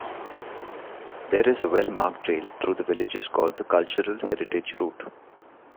There is a well-marked trail through the villages called The Cultural Heritage Route.